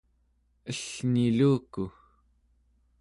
ellniluku